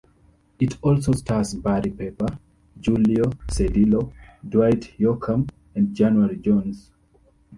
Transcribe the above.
It also stars Barry Pepper, Julio Cedillo, Dwight Yoakam, and January Jones.